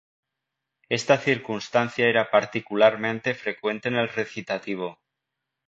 Esta circunstancia era particularmente frecuente en el recitativo.